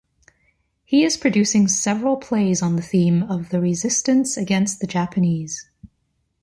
He is producing several plays on the theme of the resistance against the Japanese.